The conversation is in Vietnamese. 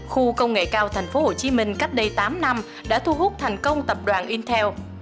khu công nghệ cao tp hcm cách đây tám năm đã thu hút thành công tập đoàn intel